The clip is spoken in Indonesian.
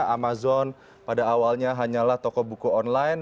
amazon pada awalnya hanyalah toko buku online